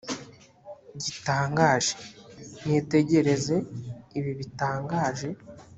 gitangaje: nitegereze ibi bitangaje